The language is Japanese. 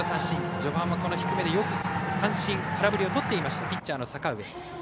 序盤はよく三振、空振りを取っていたピッチャーの阪上。